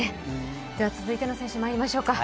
続いての選手、まいりましょうか。